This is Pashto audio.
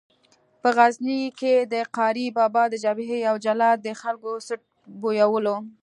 په غزني کې د قاري بابا د جبهې یو جلاد د خلکو څټ بویولو.